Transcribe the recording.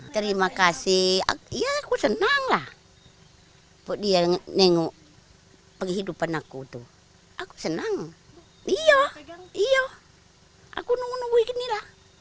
terima kasih ya aku senang lah buat dia nengok penghidupan aku tuh aku senang iya iya aku nunggu nunggu inilah